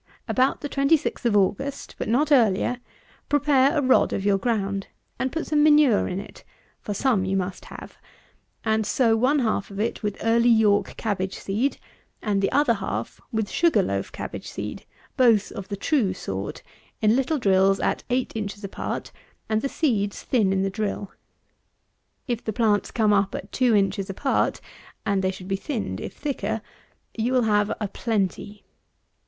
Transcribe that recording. About the 26th of August, but not earlier, prepare a rod of your ground; and put some manure in it (for some you must have,) and sow one half of it with Early York Cabbage Seed, and the other half with Sugar loaf Cabbage Seed, both of the true sort, in little drills at 8 inches apart, and the seeds thin in the drill. If the plants come up at two inches apart (and they should be thinned if thicker,) you will have a plenty.